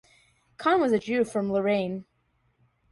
Kahn was a Jew from Lorraine.